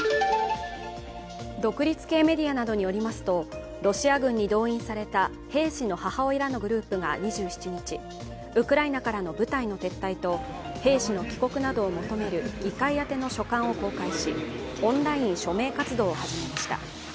独立系メディアなどによりますと、ロシア軍に動員された兵士の母親らのグループが２７日ウクライナからの部隊の撤退と兵士の帰国などを求める議会宛の書簡を公開しオンライン署名活動を始めました。